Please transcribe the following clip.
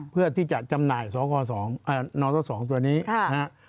เพื่อที่จะจำหน่ายน้องเท้าสองตัวนี้นะฮะ